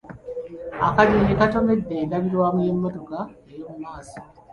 Akanyonyi katomedde endabirwamu y'emmotoka ey'omu maaso.